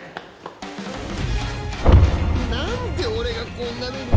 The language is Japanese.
なんで俺がこんな目に